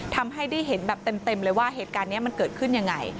ทำให้ได้เห็นแบบเต็มเลยว่าเหตุการณ์นี้มันเกิดขึ้นยังไง